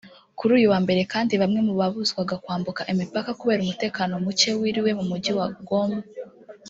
Kuri uyu wambere kandi bamwe babuzwaga kwambuka imipaka kubera umutekano muke wiriwe mu Mujyi wa Gom